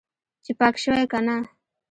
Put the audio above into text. چې پاک شوی که نه.